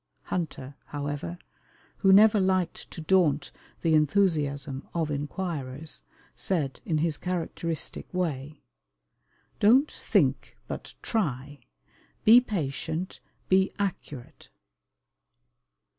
Hunter, however, who never liked to daunt the enthusiasm of inquirers, said, in his characteristic way: "Don't think, but try; be patient, be accurate."